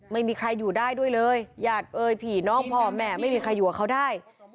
ไม่มีใครอยู่ได้ด้วยเลยญาติเอ่ยผีน้องพ่อแม่ไม่มีใครอยู่กับเขาได้